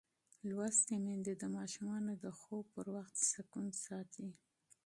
لوستې میندې د ماشومانو د خوب پر وخت سکون ساتي.